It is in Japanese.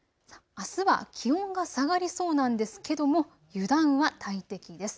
あすは気温が下がりそうなんですけども油断は大敵です。